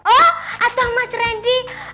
oh atau mas randy